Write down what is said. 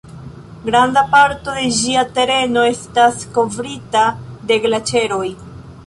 Granda parto de ĝia tereno estas kovrita de glaĉeroj.